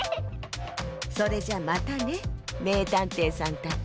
それじゃまたねめいたんていさんたち。